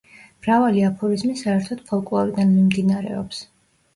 მრავალი აფორიზმი საერთოდ ფოლკლორიდან მიმდინარეობს.